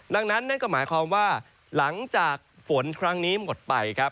ดังนั้นนั่นก็หมายความว่าหลังจากฝนครั้งนี้หมดไปครับ